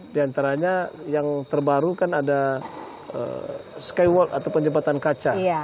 diantaranya yang terbaru kan ada skywalk ataupun jembatan kaca